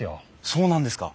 そうなんですか？